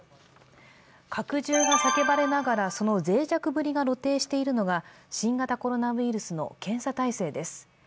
拡充が叫ばれながら、そのぜい弱ぶりが露呈しているのが新型コロナウイルスの検査体制です。